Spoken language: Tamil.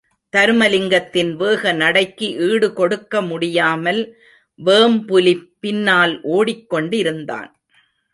தருமலிங்கத்தின் வேக நடைக்கு ஈடுகொடுக்க முடியாமல் வேம் புலி பின்னால் ஓடிக்கொண்டிருந்தான்.